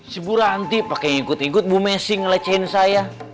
si bu ranti pakai ikut ikut bu messi ngelecehin saya